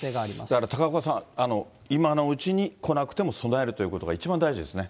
だから高岡さん、今のうちに、来なくても備えるということが一番大事ですね。